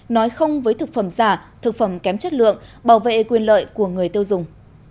nói không với thực phẩm giả thực phẩm kém chất lượng bảo vệ quyền lợi của người tiêu dùng